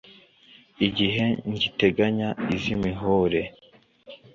Igihe ngiteganya iz'imihore!